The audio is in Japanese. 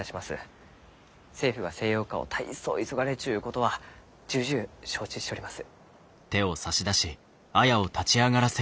政府が西洋化を大層急がれちゅうことは重々承知しちょります。